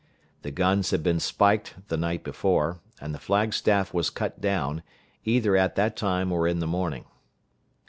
The guns had been spiked the night before, and the flag staff was cut down, either at that time or in the morning.